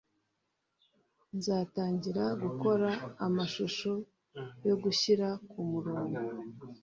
nzatangira gukora amashusho yo gushyira kumurongo